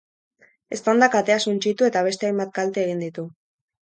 Eztandak atea suntsitu eta beste hainbat kalte egin ditu.